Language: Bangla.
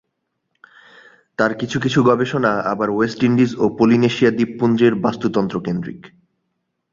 তার কিছু কিছু গবেষণা আবার ওয়েস্ট ইন্ডিজ ও পলিনেশিয়া দ্বীপপুঞ্জের বাস্তুতন্ত্রকেন্দ্রিক।